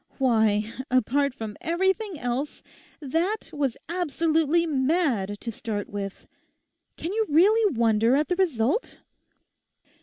Why, apart from everything else, that was absolutely mad to start with. Can you really wonder at the result?